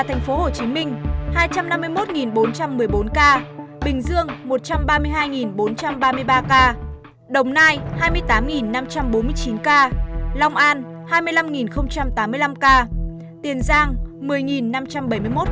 tp hcm hai trăm năm mươi một bốn trăm một mươi bốn ca bình dương một trăm ba mươi hai bốn trăm ba mươi ba ca đồng nai hai mươi tám năm trăm bốn mươi chín ca long an hai mươi năm tám mươi năm ca tiền giang một mươi năm trăm bảy mươi một ca